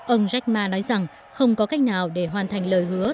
ông jack ma nói rằng không có cách nào để hoàn thành lời hứa